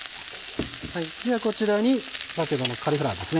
ではこちらに先ほどのカリフラワーですね。